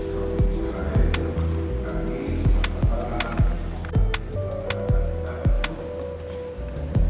lampung pak jalan seperti ini kesannya seperti apa pak